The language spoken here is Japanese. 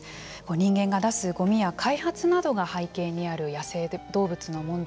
人間が出すゴミや開発などが背景にある野生動物の問題。